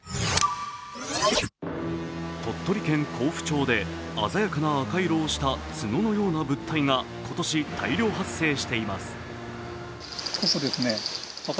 鳥取県江府町で鮮やかな赤色をした、ツノのような物体が今年、大量発生しています。